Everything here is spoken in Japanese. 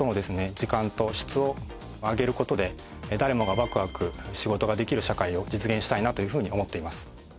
時間と質を上げる事で誰もがワクワク仕事ができる社会を実現したいなというふうに思っています。